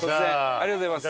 ありがとうございます。